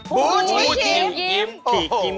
ภู้ฉี่กิม